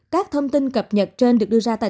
các thông tin cập nhật trên được đưa ra tại